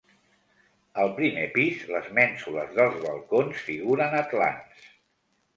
Al primer pis, les mènsules dels balcons figuren atlants.